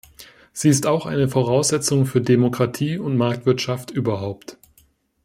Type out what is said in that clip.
Sie ist auch eine Voraussetzung für Demokratie und Marktwirtschaft überhaupt.